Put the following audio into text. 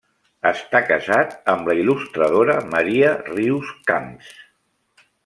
Està casat amb la il·lustradora Maria Rius Camps.